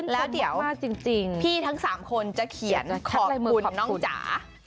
แล้วเดี๋ยวพี่ทั้ง๓คนจะเขียนขอบคุณน้องจ๋า